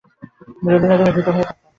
যদি না তুমি ভীত হয়ে থাকো।